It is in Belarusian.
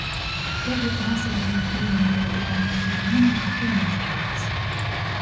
То бок масавага імкнення да радыкальных пераменаў пакуль не назіраецца.